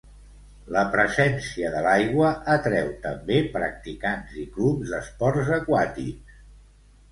La presència de l'aigua atreu també practicants i clubs d'esports aquàtics.